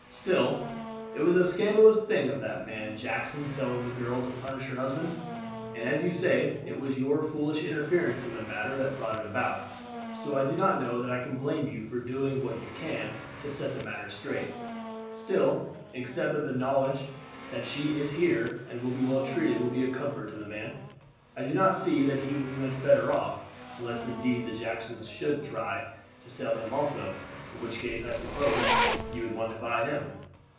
Still, it was a scandalous thing of that man Jackson selling the girl to punish her husband; and as you say it was your foolish interference in the matter that brought it about, so I do not know that I can blame you for doing what you can to set the matter straight. Still, except that the knowledge that she is here and will be well treated will be a comfort to the man, I do not see that he will be much the better off, unless indeed the Jacksons should try to sell him also, in which case I suppose you would want to buy him."